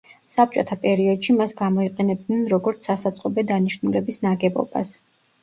საბჭოთა პერიოდში მას გამოიყენებდნენ როგორც სასაწყობე დანიშნულების ნაგებობას.